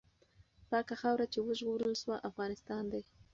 پاکه خاوره چې وژغورل سوه، افغانستان دی.